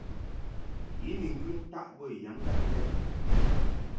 I ni ŋkɨ ntaʼ bə yiŋgan lɛ.